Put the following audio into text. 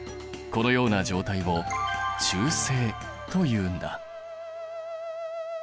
このような状態を中性というんだ。